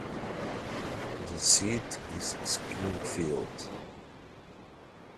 The seat is Springfield.